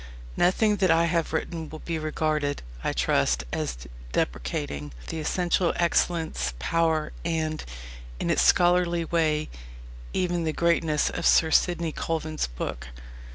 Nothing that I have written will be regarded, I trust, as depreciating the essential excellence, power, and (in its scholarly way) even the greatness of Sir Sidney Colvin's book.